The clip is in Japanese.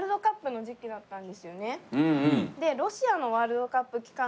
でロシアのワールドカップ期間中で。